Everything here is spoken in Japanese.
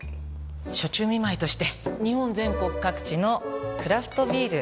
暑中見舞いとして日本全国各地のクラフトビール。